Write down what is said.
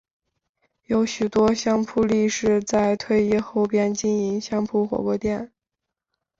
有许多相扑力士在退役后便经营相扑火锅店。